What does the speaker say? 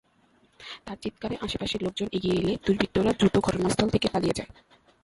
তাঁর চিৎকারে আশপাশের লোকজন এগিয়ে এলে দুর্বৃত্তরা দ্রুত ঘটনাস্থল থেকে পালিয়ে যায়।